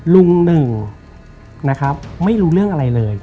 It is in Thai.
ลุงหนึ่งไม่รู้เรื่องอะไรเลย